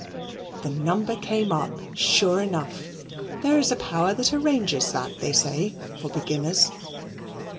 The number came up sure enough. There is a power that arranges that, they say, for beginners.